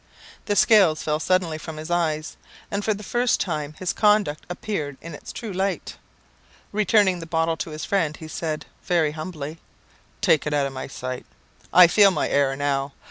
The scales fell suddenly from his eyes, and for the first time his conduct appeared in its true light. Returning the bottle to his friend, he said, very humbly "Take it out of my sight; I feel my error now.